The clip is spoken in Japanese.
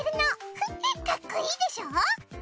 フフかっこいいでしょ？